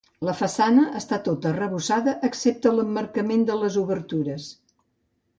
La façana està tota arrebossada excepte l'emmarcament de les obertures.